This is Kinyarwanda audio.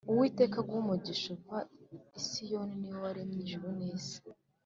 uwiteka aguhe umugisha uva isiyoni, niwe waremye ijuru n’isi